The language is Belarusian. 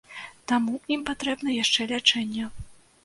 Таму ім патрэбна яшчэ лячэнне.